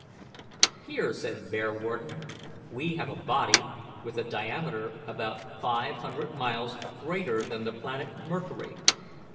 "Here," said Bearwarden, "we have a body with a diameter about five hundred miles greater than the planet Mercury.